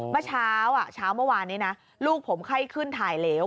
เมื่อเช้าเช้าเมื่อวานนี้นะลูกผมไข้ขึ้นถ่ายเหลว